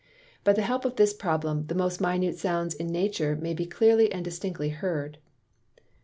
By the help of this Problem, the most minute Sounds in Nature may be clearly and distinctly heard.